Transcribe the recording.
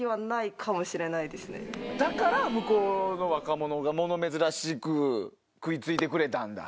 だから向こうの若者が物珍しく食い付いてくれたんだ。